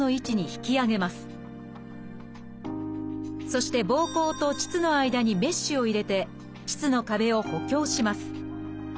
そしてぼうこうと腟の間にメッシュを入れて腟の壁を補強します。